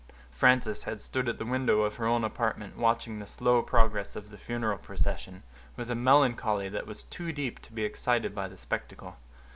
Frances had stood at the window of her own apartment, watching the slow progress of the funeral procession, with a melancholy that was too deep to be excited by the spectacle.